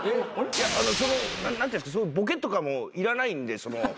何ていうんですかボケとかもいらないんで。